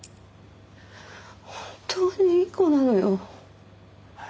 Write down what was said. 本当にいい子なのよ。